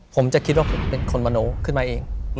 ผมจะคิดว่าผมเป็นคนมโน้ขึ้นมาเอง